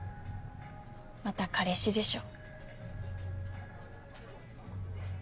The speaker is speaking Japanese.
また彼氏でしょ。